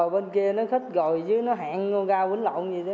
bên kia nó khích gồi chứ nó hẹn gao vĩnh lộn gì đó